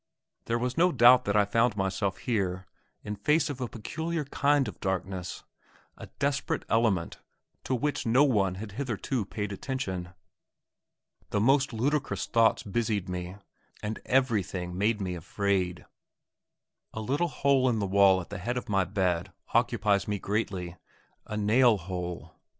There was no doubt that I found myself here, in face of a peculiar kind of darkness; a desperate element to which no one had hitherto paid attention. The most ludicrous thoughts busied me, and everything made me afraid. A little hole in the wall at the head of my bed occupies me greatly a nail hole.